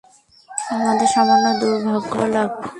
আমাদের সামান্য দুর্ভাগ্যও লাগবে।